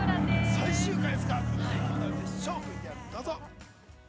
◆最終回ですから、どうなるんでしょうか、ＶＴＲどうぞ。